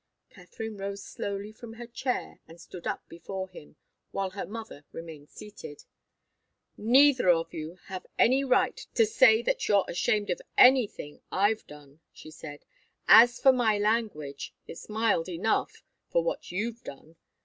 Katharine rose slowly from her chair and stood up before him, while her mother remained seated. "Neither of you have any right to say that you're ashamed of anything I've done," she said. "As for my language, it's mild enough for what you've done.